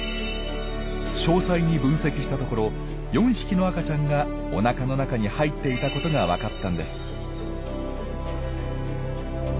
詳細に分析したところ４匹の赤ちゃんがおなかの中に入っていたことがわかったんです。